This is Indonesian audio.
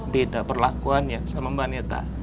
beda perlakuannya sama baneta